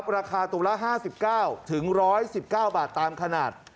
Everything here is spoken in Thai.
ราคาตัวละ๕๙๑๑๙บาทตามขนาด